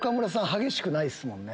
激しくないですね。